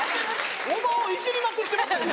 叔母をいじりまくってますよね。